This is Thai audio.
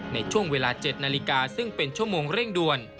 ในช่วงเวลา๗นาฬิกาซึ่งเป็นชั่วโมงเร่งด่วน